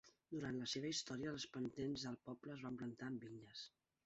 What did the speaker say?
Durant la seva història, les pendents del poble es van plantar amb vinyes.